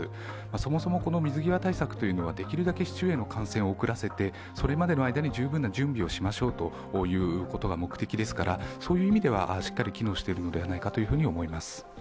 そもそもこの水際対策というのはできるだけ市中への感染を遅らせて十分な準備をしましょうということが目的ですからそういう意味ではしっかり機能しているのではないかと思います。